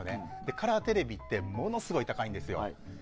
カラーテレビってものすごい高いんですよ。